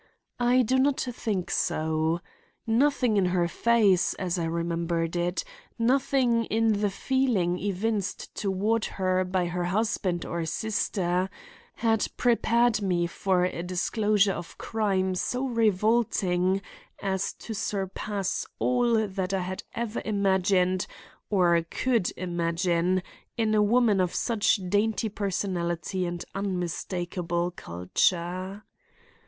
I do not think so. Nothing in her face, as I remembered it; nothing in the feeling evinced toward her by husband or sister, had prepared me for a disclosure of crime so revolting as to surpass all that I had ever imagined or could imagine in a woman of such dainty personality and unmistakable culture.